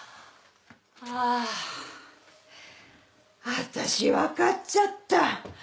わたし分かっちゃった。